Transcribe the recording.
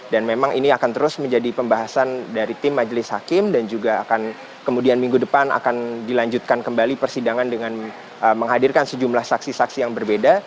dan memang ini akan terus menjadi pembahasan dari tim majelis hakim dan juga akan kemudian minggu depan akan dilanjutkan kembali persidangan dengan menghadirkan sejumlah saksi saksi yang berbeda